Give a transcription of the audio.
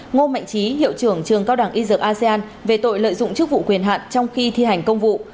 ngô mạnh trí hiệu trưởng trường cao đẳng y dược asean về tội lợi dụng chức vụ quyền hạn trong khi thi hành công vụ